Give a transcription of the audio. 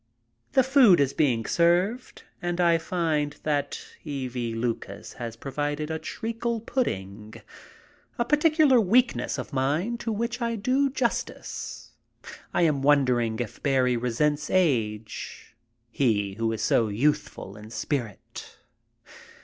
The food is being served and I find that E. V. Lucas has provided a treacle pudding, a particular weakness of mine, 88 . MY TRIP ABROAD to which I do justice. I am wondering if Barrie resents age, he who is so youthful in spirit.